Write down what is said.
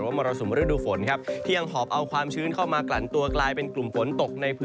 หรือว่ายอมรศพศภนสินะครับ